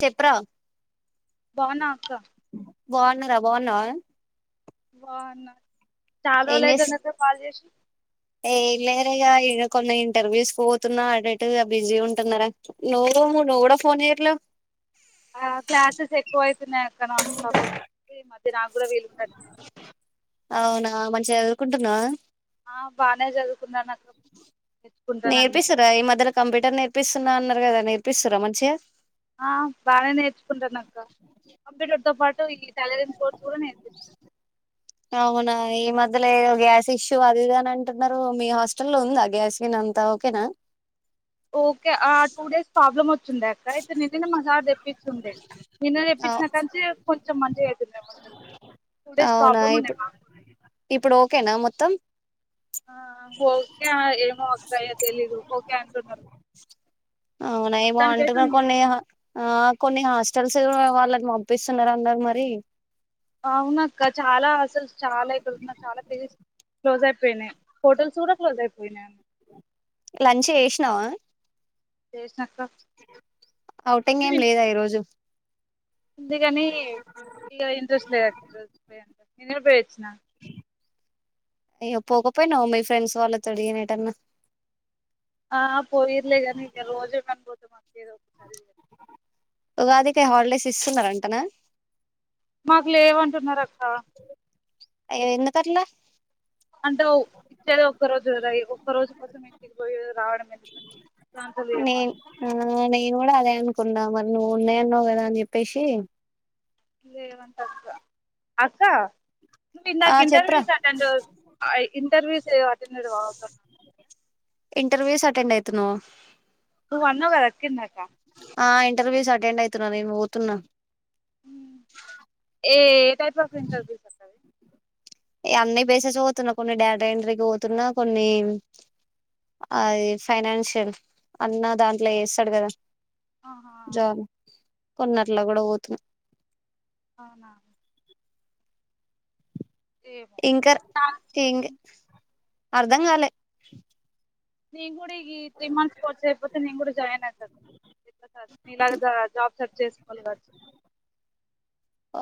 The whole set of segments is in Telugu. చెప్రా బావున్నా అక్క బాన్నా కదా బాగున్నావా వాన చాలా ఏం రోజులు చేస్ అయితాంది అక్క కాల్ చేసి ఏ లేర ఇయ కొన్ని ఇంటర్వ్యూస్ పోతున్నా అటు ఇటుగా బిజీ ఉంటున్నారా నువ్వు నువ్వు కూడా ఫోన్ చెయ్యట్లే ఆ క్లాసెస్ ఎక్కువ అవుతున్నాయి అక్క నాన్ స్టాప్ గా ఈ మ దినాక్ అవునా మంచిగా ఎదురుకుంటున్నా ఆ బానే చదువుకున్నాను అక్క నేర్చుకుంటాను అన్ని నేర్పిస్తార ఈ మధ్యలో కంప్యూటర్ నేర్పిస్తున్నాను కదా నేర్పిస్తుారా మంచిగా ఆ బాగానే నేర్చుకుంటాను అక్క కంప్యూటర్ తో పాటు సలరీ కోర్చ కూడా కూడా నేర్పి అవునా ఈ మధ్యలోో గ్యాస్ ఇష్యూ అదిది అని అంటున్నారు మీ హాస్ట లో ఉందా గ్యాస్ విన్ంతా ఓకేనా ఓకే టూ డేస్ ప్రాబ్లమ్ ర్ుండక అయితే నిన్న మా సార్ తెప్పిండే నిన్న అవు తెప్పినాకంటే కొంచెం మంచిగా అవుతుండే వంటలు టూ డేస్ అవునా ప్రాబ్లమ్ ఉండ ఇప్పుడు మా ఇప్పుడు ఓకేనా మొత్తం ఓకే ఆ, ఏమో అక్క ఇగ తెలీదు ఓకే అంటున్నారు అవునాయి మొత్తానికైతే బాగుంట ఉంది కొన్ని ఆ కొన్ని హాస్ తెలిసి కూడా వాళ్ళని పంపిస్తున్నారు అన్నారు మరి అవునక్కా చాలా అసలు చాలా ఇక్కడన్నా చాలా తెస్ క్లోజ్ అయిపోయినాయి హోటల్స్ కూడా క్లోజ్ అయిపోయినాయి లంచ్ చేసినావా చేసిన ఓటింగ్ ఏం లేదా ఈరోజు ఉందికానీ ఇగ ఇంట్రెస్ట్ లేదు లే ఎండనబడవోచ్చిన అయ్యో పోకపోయినా మీ ఫ్రెండ్స్ వాళ్ళ తోని ఎటన్నా ఆ పోయిర్లే కానీ ఇంక రోజు కనపా ఏదో ఒక సారి ఉగాదికి హాలిడేస్ ఇస్తున్నార అంటనా మాకు లేవంటున్నారు అక్ అయ్యో ఎందుకట్లా అంటే ఓ ఇచ్చేది ఒక్క రోజు ఒక్క రోజు కోసం ఇంటికి పోయి రావడం ఎందుకని ప్రంతలుయ నేను అంట ఆ నేను కూడా అదే అనుకున్నా మరి నువ్వు ఉన్నాయన్నావు కదా అని చెప్పేసి లేవంత అక్క ఆ ఇందాక చెప్పరా ఇంటర్వ్యూస్ అటెండ్ అయి ఇంటర్వ్యూస్ చే వాటి మీద వాగుత ఇంటర్వ్యూస్ అటెండ్ అయితున్నావ్ నువ్వు అన్నావు కదా అక్క ఇందాక ఆ ఇంటర్వ్యూస్ అటెండ్ అయితున్నా నేను పోతున్నా ఏ ఏ టైప్ ఆఫ్ ఇంటర్వ్యూస్ అక్క అన్ని బేసేస్ పోతున్నా కొన్ని డేటాఎంట్రీకి పోతున్నా కొన్ని అది ఫైనాన్షియల్ అన్న దాంట్లో ఏస్తాడు కదా ఆహా ఆ కొన్నట్లా గూడా వోతున్నా అవునా ఏమో ఇంకా ఇంగ్ అర్ధం గాలే నెన్ గూడా ఈ త్రీ మంత్స్ కోర్స్ అయిపోతే నేను కూడా జాయిన్ అయిత మీలాగా జాబ్ సెర్చ్ చేసు కల్లుదాచ్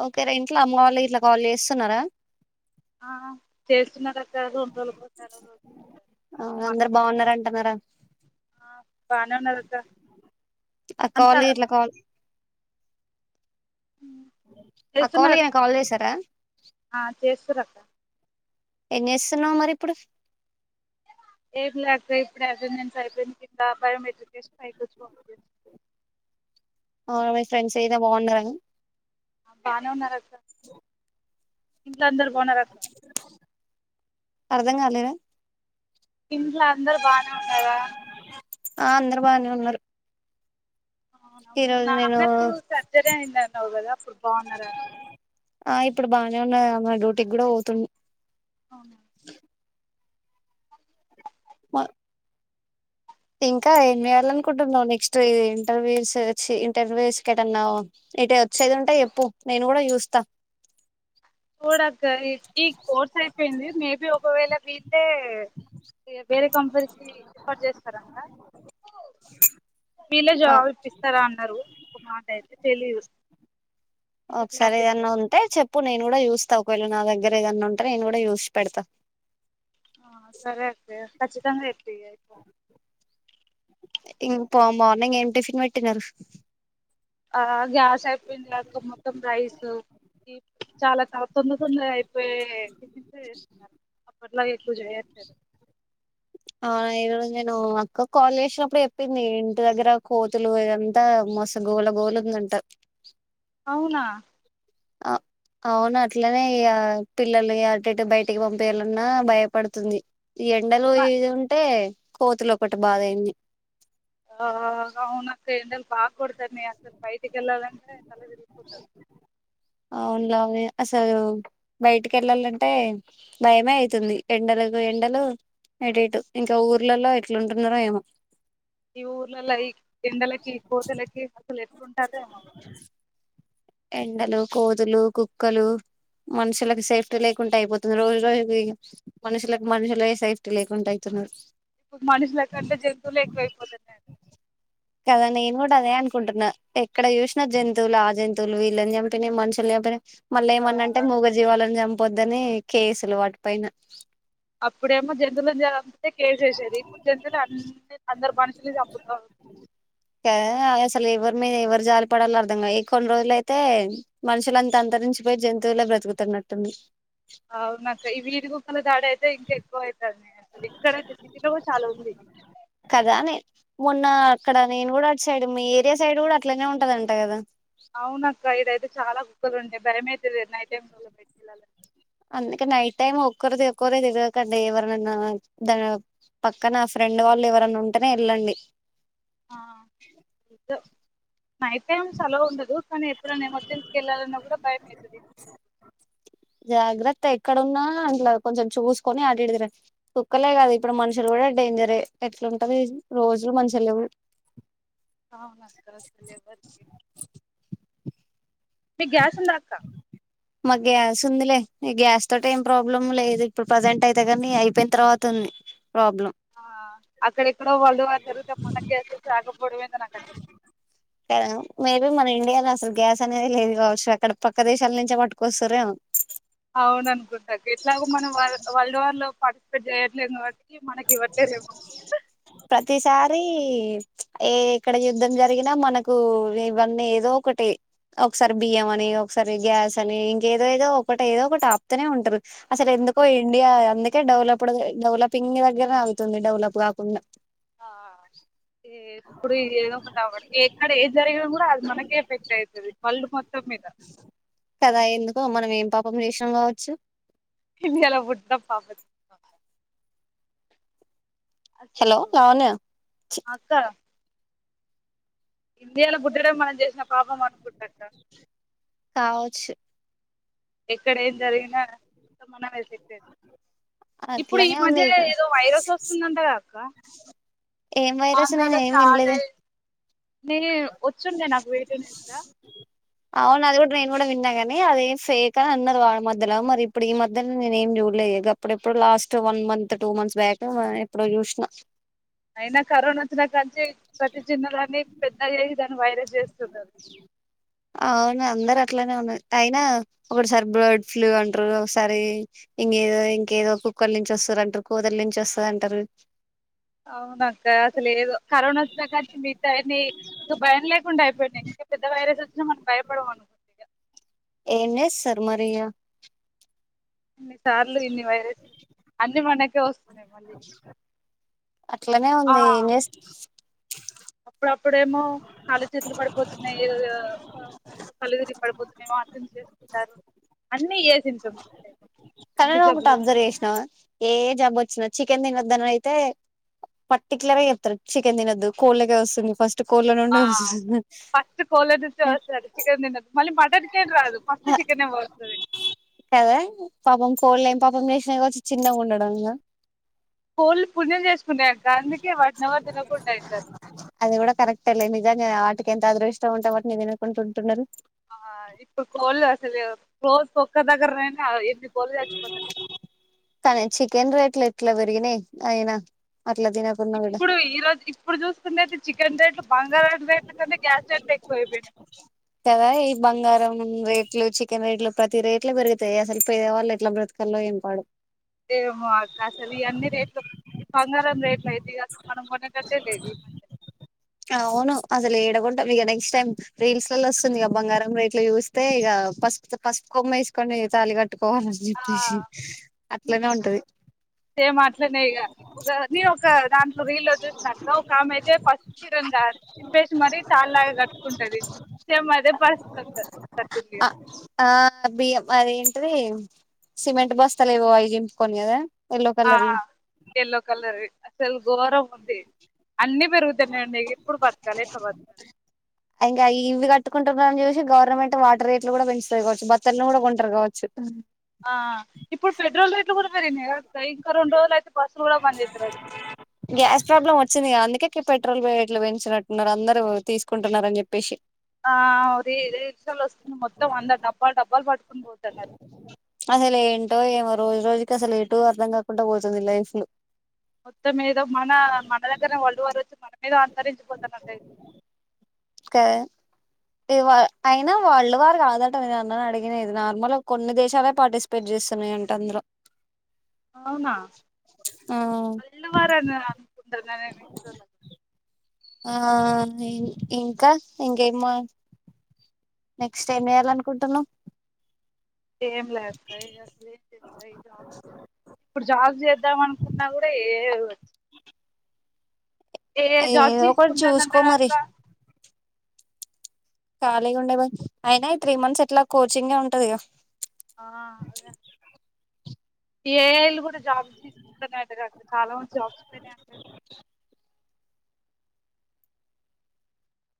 ఓకేరా ఇంట్లో అమ్మ వాళ్ళు ఇట్లా కాల్ చేస్తున్నారా ఆ చేస్తున్నారు రకా ఆ ఒకసారి అందరు మాట్లాడతారు బావున్నారంటున్నారా బాగానే ఉన్నారు అక్క అంతా అక్కవాళ్ళు గిట్లా కాల్ అక్క వాళ్ళు చేస్తున్నారు ఈయన కాల్ చేసారా ఆ చేస్తురక్క ఏం చేస్తున్నావు మరి ఇప్పుడు ఏం లే అక్క ఇప్పుడే అటెండెన్స్ అయిపోయింది కింద బయోమెట్రిక్ వేసి బయటికి వచ్చా ఫోన్ చేస్తున అవును మీ ఫ్రెండ్స్ అయితే బావుండదని బానే ఉన్నారక్క ఇంట్లో అందరు బావున్నారా అక్క అర్థం కాలేదా ఇంట్ల అందరు బానే ఉన్నారా ఆ అందరు బానే ఉన్నారు ఈ రోజు నేను నాన్నకు సర్జరీ అయ్యింది అన్నావ్ కదా ఇప్పుడు బావున్నారా ఆ ఇప్పుడు బానే ఉన్నాడు డ్యూటీకి కూడా పోతుండు అవునా బ ఇంకా ఏం జెయ్యాలి అనుకుంటున్నావు, నెక్స్ట్ ఇంటర్వ్యూస్ వచ్చి ఇంటర్వ్యూస్ ఎటన్నా ఎటు వచ్చేది ఉంటే చేప్పు నేను కూడా చూస్తా చూడక్క ఇ ఈ కోర్స్ అయిపోయింది మేబి ఒకవేళ ఇ అంటే వేరే కంపెనీకి రిఫర్ చేస్తారంట, వీళ్ళే ఆ జాబ్ ఇప్పిస్తారా అన్నారు ఒక మాట అయితే తెలీదు ఇంకా క్లారిటీ ఒకసారేదన్న లేదు ఉంటే చెప్పు నేను కూడా చూస్ ఒకవేళ నా దగ్గర ఏదన్నా ఉంటే నేను కూడా జుసి పెడతా ఆ సరే అయ్యితే కచ్చితంగా ఇంకో మార్నింగ్ ఏం టిఫిన్ పెట్టినారు ఆ గ్యాస్ అయ్యిపోయింది. అక్క మొత్తం రైస్ చాలా త తొందర తొందరగా అయిపోయే చించ చేస్తున్నారు. అట్లాగే [unintelligible] అవునా ఏ నేను అక్క కాల్ చేసినప్పుడు చెప్పింది. ఇంటి దగ్గర కోతులు ఇదంతా మోసగోళగోలు ఉందంట. అవునా అవును అట్లనే పిల్లలు అటు, ఇటు బయటికి పంపేయాలన్నా భయపడుతుంది. ఎండలో ఏది ఉంటే కోతిలో ఒకటి బాధ అయింది. బా కొడతంది. అసలు బైటికి ఎల్లాలి అంటే అవును అన్నయ్య అసలు బయటికి ఎల్లలంటే భయమే అయితుంది. ఎండలకు ఎండలు ఎటటు ఇంకా ఊర్లలో ఎట్లుంటున్నారో ఏమో. ఈ ఊర్లలో ఈ ఎండలకి కోతలకి అసలు ఎ ఉంటదేమో. ఎండలు కోతులు, కుక్కలు మనుషులకు సేఫ్టీ లేకుండా అయిపోతుంది. రోజు రోజు ఇగ మనుషులకు మనుషులు సేఫ్టీ లేకుండ అయితున్నారు. ఎ మనుషుల కంటే జంతువులే ఎక్కువైపోతున్నాయి. కదా నేను కూడా అదే అనుకుంటున్నా ఎక్కడ జుషిన జంతువులే ఆ జంతువు వీళ్ళని చంపినవి, మనుషులు చంపినై మళ్ళీ ఆ ఏమన్న అంటే మగజీవాలని చంప పొద్దనే కేసులు వాటి పైన అప్పుడేమో జంతువులు అ కేసేసారు ఇప్పుడు చెతులు అ అందరు మనుషుల్ని చంపుతారు. మె మీరు ఎవరు జాలిపడాలో అర్థంగా ఏ కొన్ని రోజులు అయితే మనుషుల అంత అంతరించిపోయి జంతువులే బ్రతుకుతున్నట్టుంది. అవునక్క ఈ వీది కుక్కల దాడి అయితే ఇంకా ఎక్కువ అయి అసలు ఇక్కడతే సిటీక్కడ కూడా చాల ఉంది. కదా నే మొన్న అక్కడ నేను కూడా అటు సైడ్, మీ ఏరియా సైడ్ కూడా అట్లనే ఉంటదంట కదా. అవునక్క ఇదైయితే చాలా కుక్కలుంటాయి. భయమైతుంది నైట్ టై పెట్ అందుకే నైట్ టైమ్ ఒక్కరుది ఒ ఒకరే తెకండి, ఎవరనా దా పక్కన ఫ్రెండ్ వాళ్ళు ఎవరనా ఉంటేనే వెళ్ళం. డి ఆ అయితేం సలవు ఉండదు. కానీ ఎప్పుడైనా ఎమర్జెన్సీకి వెళ్ళాలన్నా కూడా భయం అవుతుంది. జాగ్రత్త ఎక్కడున్నా ఇంట్లా కొంచెం చూసుకొని అటు ఇటు తిరగండి. కుక్కలే కాదు ఇప్పుడు మనుషులు కూడా డేంజర్ ఎట్లుంటంది రోజులు మంచిగాలేవ్. అవునక్క [inaudible] మీకు గ్యాస్ ఉందక్క మా గ్యాస్ ఉందిలే ఈ గ్యాస్ తోటి ఏం ప్రాబ్లం లేదు. ఇప్పుడు ప్రజెంట్ అయితే కానీ అయిపోయిన తర్వాత ఉంది. ప్రాబ్లం ఆ అక్కడెక్కడో వరల్డ్ వార్ జరిగితే మనకు గ్యాస్ రాకపోవడం ఏందో నాకు అర్థం అయితలేదు కా మేబీ మన ఇండియాలో అసలు గ్యాస్ అనేది లేదు కావచ్చు. అక్కడ పక్క దేశాల నుంచే పట్టుకొస్తారో ఏమో అవును అనుకుంటా ఎట్లాగో మనం వరల్డ్ వార్ లో పార్టిసిపేట్ చేయట్లేదు కాబట్టి మనకి ఇవ్వట్లేదు ఎమో ప్రతిసారి ఏ ఇక్కడ యుద్ధం జరిగినా మనకు ఇవన్నీ ఏదో ఒకటి ఒకసారి బియ్యం అని ఒకసారి గ్యాస్ అని ఇంకేదో ఏదో ఒకటి ఏదో ఒకటి ఆపుతూనే ఉంటారు. అసలు ఎందుకో ఇండియా అందుకే డెవలప్ డెవలపింగ్ దగ్గరనే అగుతుంది. డెవలప్ కాకుండా ఆ ఏప్పుడు ఏదో ఒకటి అవుడు ఎక్కడ ఏది జరిగిన కూడా అది మనకే ఎఫెక్ట్ అయితది. వరల్డ్ మొత్తం మీద ఒక రేషన్ కావచ్చు ఇండియాల పుట్టిన పాపం హలో అసలు లావణ్య అక్క ఇండియాలో పుట్టడం మనం చేసిన పాపం అనుకుంటా అక్క కావచ్చు ఎక్కడ ఏం జరిగినా మొత్తం మనమే ఎఫెక్ట్ అయితం. ఇప్పుడు ఈ అట్లనే ఉంది మధ్య ఇక్కడ ఏదో వైరస్ వస్తుందంట గా అక్క ఏం వైరస్ నేను ఆంధ్రాలో ఏం స్టార్ట్ వినలేదే అయి నే వచ్చుండే నాకు వేటు న్యూస్ ల అవును. అది కూడా నేను కూడా విన్నా గాని అదేం ఫేక్ అని అన్నరు. వాళ్ మధ్యల మరి ఇప్పుడు ఈ మధ్యలో నేను ఏం చూడలే గప్పుడు ఏప్పుడో last one month two months back ఎప్పుడో జుసినా అయినా కరోనా వచ్చినాకంచి ప్రతి చిన్న దాన్ని పెద్దగా చేసి దాన్ని వైరస్ చేస్తున్నారు అవును అందర ఆట్ ట్లానే ఉన్నా అయినా ఒకసారి బర్డ్ ఫ్లూ అంటారు. ఒకసారి ఇంకేదో ఇంకేదో కుక్కల నుంచి వస్తారు అంటారు. కూదరి నుంచి వస్తది అంటారు. అవునక్క అసలు ఏదో కరోనా వోచ్చిన కాంచీ మిగతాయి అన్ని భయం లేకుండా అయిపో వన్నీ ఇంకా పెద్ద వైరస్ వొచ్చిన మనం భయపడం. [inaudible] ఎన్నె సర్మరియా ఇన్ని సార్లు ఇన్ని వైరస్లు అన్ని మనకి కే వస్తున్నాయి మల్లి అట్లనే ఉందిం ఎం చేస్తం అప్పుడప్పుడేమో కాళ్ళు చేతులు పడిపోతున్నాయి. ఏదో కండ్లు తిరిగి పడిపోతున్నాయి ఏమో అర్థం చేసుకుంటారు. అన్నీ చేసింటమ్స్ [unintelligible] కనీ నువ్వు ఒకటి అబ్జర్వ్ చేసినవా ఏ జబ్బు వచ్చినా చికెన్ తినొద్దని అయితే పర్టిక్యలర్ గా చెప్తారు. చికెన్ తినొద్దు కోళ్లకే వస్తుంది ఫస్ట్ కోళ్ళ ఆ నుండే వస్తుంది ఫస్ట్ కోళ్ళ నుంచి వస్తది ఆట చెకేన్ తినద్దు మళ్ళీ మాటన్ కదా పాపం కోళ్లు ళం పాపం చేేసినా వచ్చి చిన్నగా ఉండడం ఇకా కోళ్ళు పుణ్యం చేసుకున్నాయక్క అందుకే వాటిని ఎవరు తినకుండా అయితారు అది కూడా కరెక్ట్ అల్జా ఆటి ఎంత అగృ ఇష్టం ఉంటా అటి నేను అనుకుంటుంటున్నారు ఆ ఇప్పు కోల్ అసలే వ ర్ోజ పొక్క దగరనా ఎది బల్దుచ్చ పద్ధతి ఇట్లా పెరిగిన అయినా అట్లా తినకున్నా కూడా ఇప్పుడు ఈరోోజు ఇప్పుడు చూసుకుంట అయితే చికెన్ రేట్లు బంగారా రేట్ల కంటే గ్యాస్ రేట్లు ఎక్కువయిపోయినాయి కదా ఈ బంగారం రేట్లు చికెన్ రేట్లు ప ఇరేట్లే పెరుగుతాయి అసలు పేవాళ్ళు ఎట్లా బ్రతకలో ఏంపాడు ఏమో అక్క అసలు ఈ అన్ని రేట్లు ఈ బంగారం రేట్లు అయితే అసలు మనం కొనేటట్టే లేదు ఈ మధ్య అవును అసలు ఏడకుంటాం ఇక నెక్స్ట్ టైమ్ రీల్స్ లోలో వస్తుంది ఇక బంగారం రేట్లు చూస్తే ఇక పసుపు పసు కొమ్మ ఇస్కండి తాలిగట్టు ఆ అట్లనే ఉంటది సేమ్ అట్లనే ఇక ఒక నను ఒక దాంట్లో రీల్లో చూసినా అక్క ఒక ఆమె అయితే పస్తు చీరగా చింపేసి మరీ తాలిలాగా కట్టుకుంటది సేమ్ అయితే పస్తు క అది ఏంటిది సిమెంట్ బస్తలు ఏవో అవి జింపుకని కదా ఎల్లో ఆ కలర్ వి ఎల్లో కలర్ అసలు గోరం [unintelligible] అన్ని పెరుగుతూనే ఉండాయి ఇప్పుడు బతకాలి ఎట్లా బతకాలి కుంటున్నని చూసి గవర్నమెంట్ వాటర్ రేట్లు కూడా పెంచుతాయి కావచ్చు బత్తలు కూడా కొంటారు కావచ్చు ఆ ఇప్పుడు పెట్రోల్ రేట్లు కూడ మరి న ఇంకా రెండు రోజులు అయితే బస్ కూడా బంద్ చేస్తారు అయితే వచ్చిందిగా అందుక పెట్రోల్ వేట్లు పెంచినట్టున్నారు అందరుూ తీసుకుంటున్నార అని చెప్పేసి ఆ రిక్షాలు వస్తుంది మొత్తం వంద డబ్బా డబ్బాాలు పట్ అసలు ఏంటో ఏమో రోజు రోజు అసలు ఎటు అర్థం కాకుండా పోతుంది లైఫ్లు మొత్తం మీదో మన మన దగ్గరనే వరల్డ్ వారు వచ్చి మన మీద అంతరించిపోతున్నట్ట ఒకే ఇ అయినా వరల్డ్ వారు కాదట అన్నని అడిగిన నార్మల్గా కొన్ని దేశాలే పార్టిసిపేట్ చేస్తున్నాయి అంట అందులో అవునా ఆ [unintelligible] ఆ ఇ ఇంకా ఇంకేమ నెక్స్ట్ ఏం చేయాల అనుకుంటున్నావు ఏం లేస్తయి అసలు చేస్తాయిబ్ ఇప్పుడుజాబ్ చేత వద్దాం అనుకున్నా కూడా ఏ వచ్చు వేరే జాబ్ ఏదో ఒకటి చూసుకుంటారంట చూసుకో మరి ఖాళీగా ఉండే అయినా త్రీ మంత్స్ ఎట్లా కోచింగే ఉంటది గా ఆ ఏఐ లు కూడా జాబ్ తీసుకుంటాన్నాడిక్ట చాలా మంది జాబ్స్ పోయినా అంట కదా